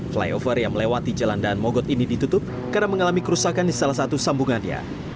flyover yang melewati jalan daan mogot ini ditutup karena mengalami kerusakan di salah satu sambungannya